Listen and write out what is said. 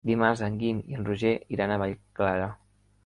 Dimarts en Guim i en Roger iran a Vallclara.